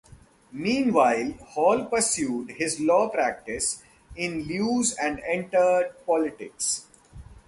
Meanwhile Hall pursued his law practice in Lewes and entered politics.